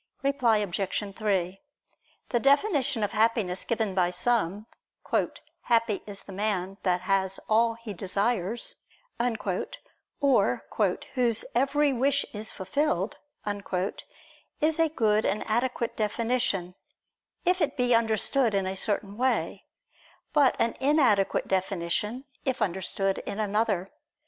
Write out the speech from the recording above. Reply Obj. 3: This definition of Happiness given by some "Happy is the man that has all he desires," or, "whose every wish is fulfilled," is a good and adequate definition, if it be understood in a certain way; but an inadequate definition if understood in another.